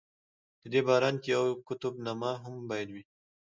په دې باران کې یوه قطب نما هم باید وي.